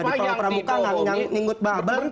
tidak ada yang menyebut ulama